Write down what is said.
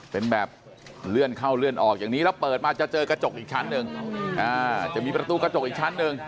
เป็นแบบเลื่อนเข้าเลื่อนออกอย่างนี้แล้วเปิดมาจะเจอกระจกอีกชั้นหนึ่งจะมีประตูกระจกอีกชั้นหนึ่ง